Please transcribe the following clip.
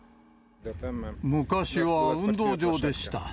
昔は運動場でした。